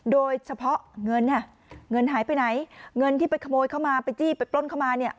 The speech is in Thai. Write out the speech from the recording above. โดยเฉพาะเงินเนี่ยเงินหายไปไหนเงินที่ไปขโมยเข้ามาไปจี้ไปปล้นเข้ามาเนี่ย